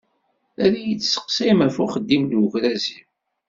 Ad iyi-d-testeqsayem ɣef uxeddim n ugraz-iw.